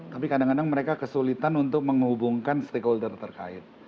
tapi kadang kadang mereka kesulitan untuk menghubungkan stakeholder terkait